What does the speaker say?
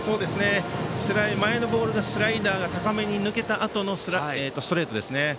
前のボールのスライダーが高めに抜けたあとのストレートですね。